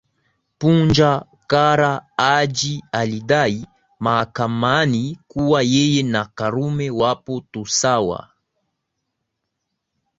Punja Kara Haji alidai mahakamani kuwa yeye na Karume wapo tu sawa